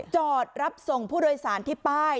จอดรับส่งผู้โดยสารที่ป้าย